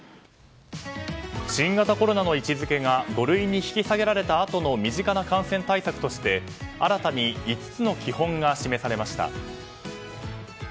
新型コロナの位置づけが５類に引き下げられたあとの身近な感染対策として新たに５つの基本が示されました。